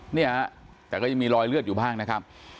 เนี่ยแต่ก็ยังมีรอยเลือดอยู่บ้างนะครับ